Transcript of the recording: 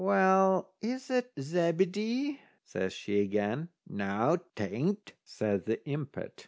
"Well, is that Zebedee?" says she again. "Noo, 'tain't," says the impet.